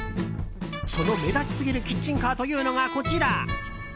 その目立ちすぎるキッチンカーというのがこちら。